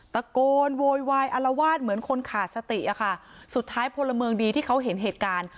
ตะโกนโวยวายอารวาสเหมือนคนขาดสติอะค่ะสุดท้ายพลเมืองดีที่เขาเห็นเหตุการณ์